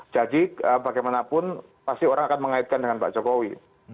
jadi bagaimanapun pasti orang akan mengaitkan dengan pak jokowi